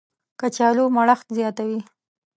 کچالو مړښت زیاتوي